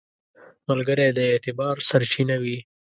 ملګری د اعتبار سرچینه وي